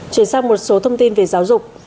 chuyển sang một số thông tin về giáo dục